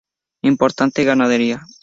Importante ganadería.